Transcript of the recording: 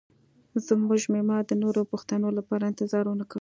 زموږ میلمه د نورو پوښتنو لپاره انتظار ونه کړ